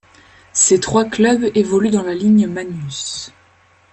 Ces trois clubs évoluent dans la Ligue Magnus.